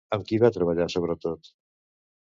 Amb qui va treballar sobretot?